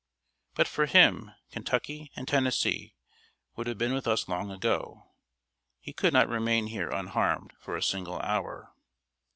But for him, Kentucky and Tennessee would have been with us long ago. He could not remain here unharmed for a single hour."